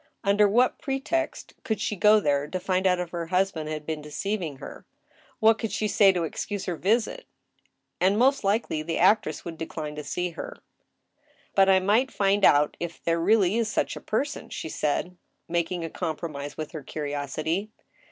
Under what pretext could she go there to find out if her husband had been deceiving her ? What could she say to excuse her visit ? And most likely the actress would decline to see her. I/O THE STEEL HAMMER. " But I might find out if there is really such a person !" she stid, making a compromise with her curiosity.